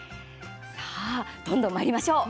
どんどん、まいりましょう。